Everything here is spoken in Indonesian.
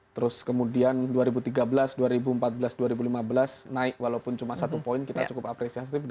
terus kemudian dua ribu tiga belas dua ribu empat belas dua ribu lima belas naik walaupun cuma satu poin kita cukup apresiasi